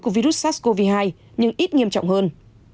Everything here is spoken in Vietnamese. của virus sars cov hai nhưng ít nghiêm trọng hơn